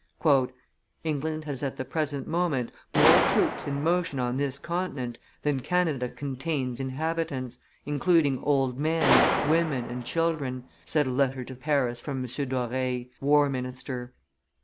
"England has at the present moment more troops in motion on this continent than Canada contains inhabitants, including old men, women, and children," said a letter to Paris from M. Doreil, war commissioner.